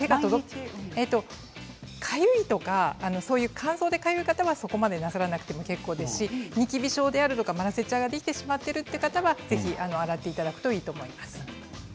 かゆいとか、そういう乾燥がかゆい方はそこまでなさらなくて結構ですしニキビ症やマラセチアができてしまっている方はぜひ洗っていただくといいと思います。